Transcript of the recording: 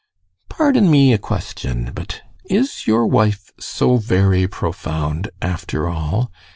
Pardon me a question: but is your wife so very profound after all?